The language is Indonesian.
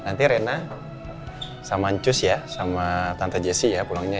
nanti rena sama ancus ya sama tante jessy ya pulangnya ya